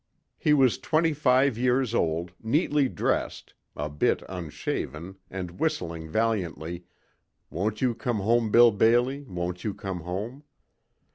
He was twenty five years old, neatly dressed, a bit unshaven and whistling valiantly, "Won't you come home, Bill Bailey, won't you come home?"